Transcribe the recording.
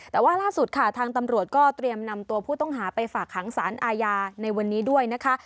แต่ว่าล่าสุดค่ะทางตำรวจก็เตรียมนำตัวผู้ต้องหาไปฝากขังสารอาญาในวันนี้ด้วยนะคะ